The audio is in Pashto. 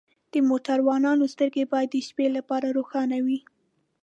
د موټروان سترګې باید د شپې لپاره روښانه وي.